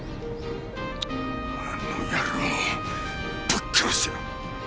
あの野郎ぶっ殺してやる！